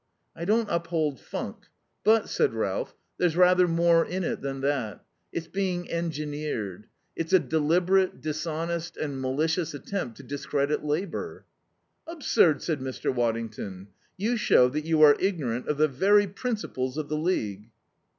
"I don't uphold funk. But," said Ralph, "there's rather more in it than that. It's being engineered. It's a deliberate, dishonest, and malicious attempt to discredit Labour." "Absurd," said Mr. Waddington. "You show that you are ignorant of the very principles of the League."